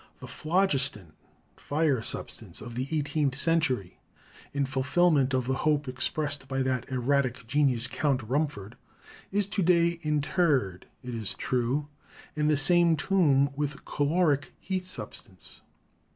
The "phlogiston" (fire substance) of the eight eenth century, in fulfilment of the hope expressed by that erratic genius, Count Rumford, is to day interred, it is true, in the same tomb with "caloric" (heat substance).